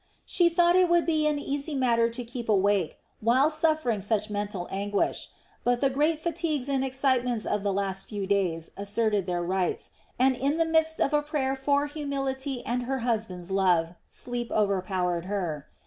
She thought it would be an easy matter to keep awake while suffering such mental anguish. But the great fatigues and excitements of the last few days asserted their rights, and in the midst of a prayer for humility and her husband's love sleep overpowered her.